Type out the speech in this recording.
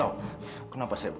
aku mohon keluarin dia dari situ zed